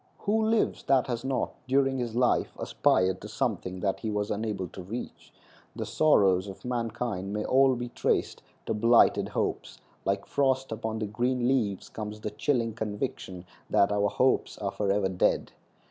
Who lives that has not, during his life, aspired to something that he was unable to reach? The sorrows of mankind may all be traced to blighted hopes; like frost upon the green leaves comes the chilling conviction that our hopes are forever dead.